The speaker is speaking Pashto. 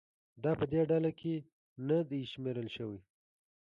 دا په دې ډله کې نه دي شمېرل شوي.